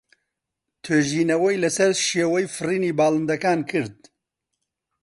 توێژینەوەی لەسەر شێوەی فڕینی باڵندەکان کرد.